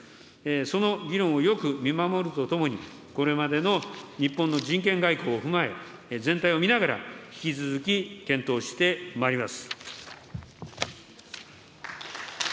その議論をよく見守るとともに、これまでの日本の人権外交を踏まえ、全体を見ながら引き続き検討してまいります。